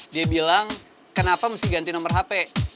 dia bilang kenapa mesti ganti nomor hp